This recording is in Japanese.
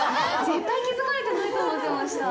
絶対気づかれてないと思ってました。